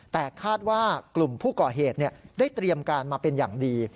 แต่คาดว่ากลุ่มผู้ก่อเหตุได้เตรียมการมาเป็นอย่างดี